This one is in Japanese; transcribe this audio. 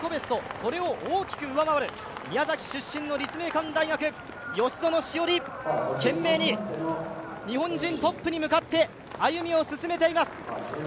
それを大きく上回る宮崎出身の立命館大学、吉薗栞、懸命に日本人トップに向かって走りを進めていきます。